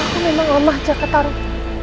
aku memang allah jakarta ruh